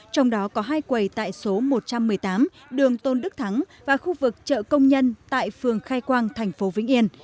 trong đó có hai quầy tại số một trăm một mươi tám đường tôn đức thắng và khu vực chợ công nhân tại phường khai quang thành phố vĩnh yên